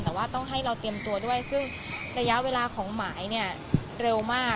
แต่ว่าต้องให้เราเตรียมตัวด้วยซึ่งระยะเวลาของหมายเนี่ยเร็วมาก